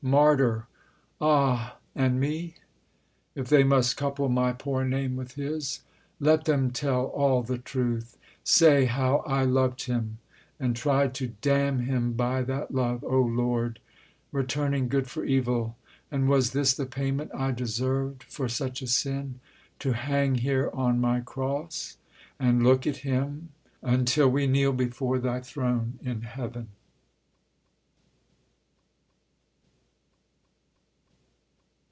Martyr! Ah and me? If they must couple my poor name with his, Let them tell all the truth say how I loved him, And tried to damn him by that love! O Lord! Returning good for evil! and was this The payment I deserved for such a sin? To hang here on my cross, and look at him Until we kneel before Thy throne in heaven!